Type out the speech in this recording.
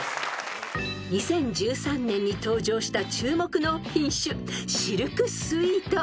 ［２０１３年に登場した注目の品種シルクスイート］